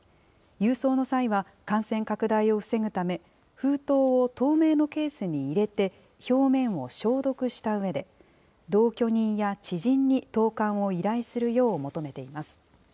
郵送の際は感染拡大を防ぐため、封筒を透明のケースに入れて、表面を消毒したうえで、同居人や知人に投かんを依頼するよう求めています。